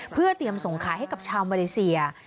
เพื่อเตรียมส่งขายให้กับชาวมาเลเซีย